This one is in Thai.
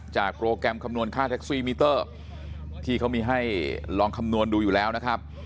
โปรแกรมคำนวณค่าแท็กซี่มิเตอร์ที่เขามีให้ลองคำนวณดูอยู่แล้วนะครับ